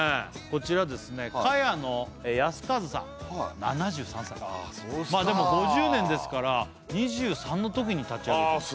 こちらですね萱野康和さん７３歳まあでも５０年ですから２３のときに立ち上げたああ